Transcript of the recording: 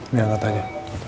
nih angkat aja